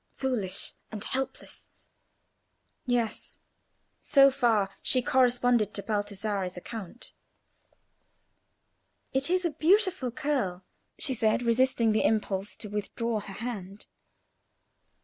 "Foolish and helpless:" yes; so far she corresponded to Baldassarre's account. "It is a beautiful curl," she said, resisting the impulse to withdraw her hand.